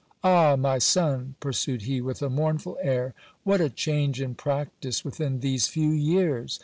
Ah, my son ! pursued he with a mournful air, what a change in practice within these few years